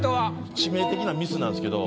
致命的なミスなんすけど。